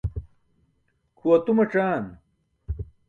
Kʰu atumac̣aan.